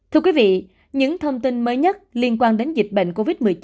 thưa quý vị những thông tin mới nhất liên quan đến dịch bệnh covid một mươi chín